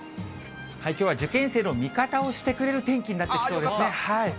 きょうは受験生の味方をしてくれる天気になってきそうですね。